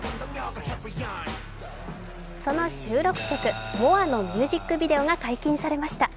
その収録曲「ＭＯＲＥ」のミュージックビデオが解禁されました。